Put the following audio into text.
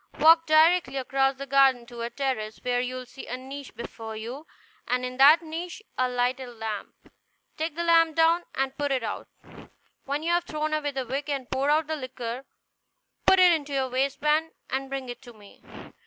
Walk directly across the garden to a terrace, where you will see a niche before you, and in that niche a lighted lamp. Take the lamp down, and put it out. When you have thrown away the wick and poured out the liquor, put it in your waistband and bring it to me.